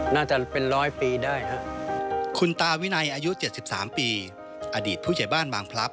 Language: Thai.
น่าจะเป็น๑๐๐ปีได้ครับ